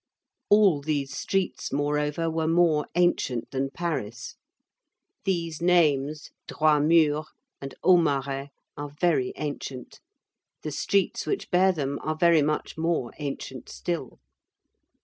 All these streets, moreover, were more ancient than Paris. These names, Droit Mur and Aumarais, are very ancient; the streets which bear them are very much more ancient still.